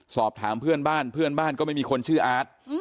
สอบถามเพื่อนบ้านเพื่อนบ้านก็ไม่มีคนชื่ออาร์ต